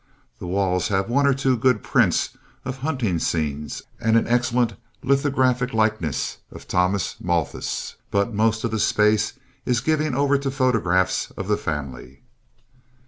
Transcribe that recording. The walls have one or two good prints of hunting scenes and an excellent lithographic likeness of Thomas Malthus, but most of the space is given over to photographs of the family.